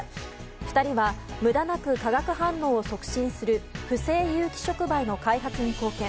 ２人は無駄なく化学反応を促進する不斉有機触媒の開発に貢献。